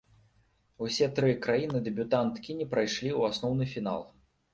Усе тры краіны-дэбютанткі не прайшлі ў асноўны фінал.